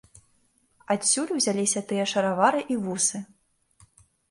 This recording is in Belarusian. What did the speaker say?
Адсюль узяліся тыя шаравары і вусы.